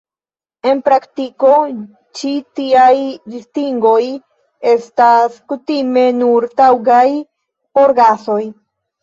En praktiko, ĉi tiaj distingoj estas kutime nur taŭgaj por gasoj.